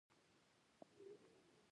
پۀ لستوڼي يې د تندي خوله وچه کړه